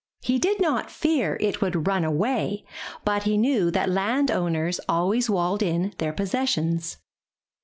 He did not fear it would run away, but he knew that land owners always walled in their possessions.